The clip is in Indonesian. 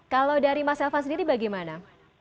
kalau dari mas elvan sendiri bagaimana